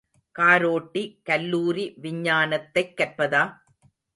காரோட்டி கல்லூரி விஞ்ஞானத்தைக் கற்பதா?